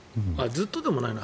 ずっとでもないか。